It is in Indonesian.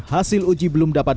hasil uji belum dapat